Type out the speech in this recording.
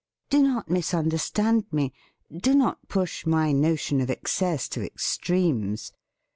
Do not misunderstand me. Do not push my notion of excess to extremes.